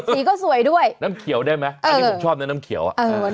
สีก็สวยด้วยน้ำเขียวได้ไหมอันนี้ผมชอบนะน้ำเขียวอ่ะ